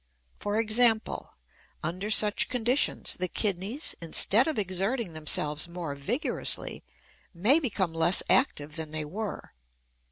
For example, under such conditions, the kidneys, instead of exerting themselves more vigorously, may become less active than they were.